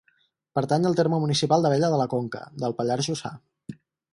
Pertany al terme municipal d'Abella de la Conca, del Pallars Jussà.